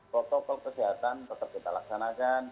protokol kesehatan tetap kita laksanakan